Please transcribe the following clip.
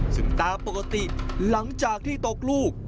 ซึ่งตามปกติหลังจากที่ตกลูก